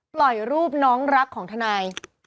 ปล่อยรูปน้องรักของทนาย